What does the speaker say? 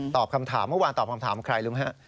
คำถามเมื่อวานตอบคำถามใครรู้ไหมฮะ